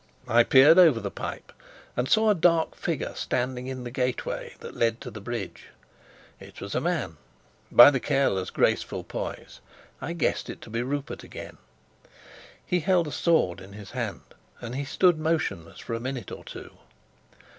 I peered over the pipe, and saw a dark figure standing in the gateway that led to the bridge. It was a man. By the careless, graceful poise, I guessed it to be Rupert again. He held a sword in his hand, and he stood motionless for a minute or two.